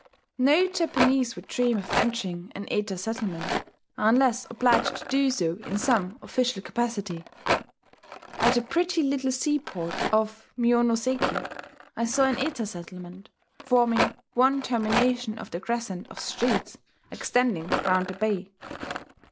No Japanese would dream of entering an Eta settlement unless obliged to do so in some official capacity.... At the pretty little seaport of Mionoseki, I saw an Eta settlement, forming one termination of the crescent of streets extending round the bay.